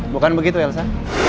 bukan begitu ya elsa